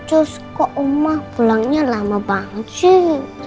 cus kok omah pulangnya lama banget sih